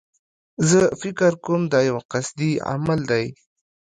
زه فکر کوم دایو قصدي عمل دی.